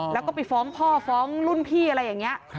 แล้วก็ไปฟ้องพ่อฟ้องรุ่นพี่อะไรอย่างนี้